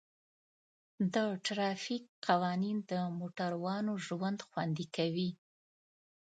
د ټرافیک قوانین د موټروانو ژوند خوندي کوي.